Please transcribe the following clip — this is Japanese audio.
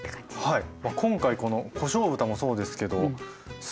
はい。